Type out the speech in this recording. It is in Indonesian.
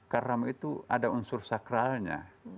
karena itu ada unsur sakralnya